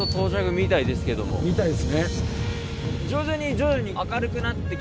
みたいですね。